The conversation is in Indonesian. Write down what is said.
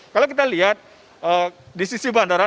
kalau kita lihat di sisi bandara